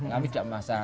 kami tidak masalah